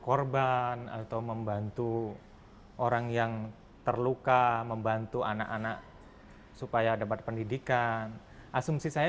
korban atau membantu orang yang terluka membantu anak anak supaya dapat pendidikan asumsi saya